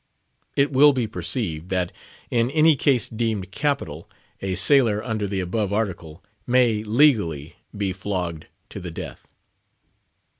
It will be perceived, that in any case deemed "capital," a sailor under the above Article, may legally be flogged to the death.